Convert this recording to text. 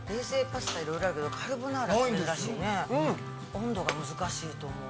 温度が難しいと思う。